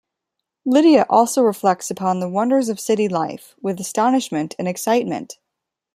Lydia also reflects upon the wonders of city life, with astonishment and excitement.